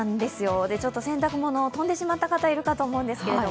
洗濯物、飛んでしまった方いるかと思うんですけど